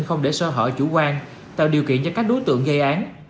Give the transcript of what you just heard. không để sơ hở chủ quan tạo điều kiện cho các đối tượng gây án